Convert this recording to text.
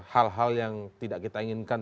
hal hal yang tidak kita inginkan